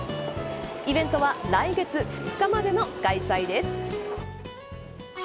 イベントは来月２日までの開催です。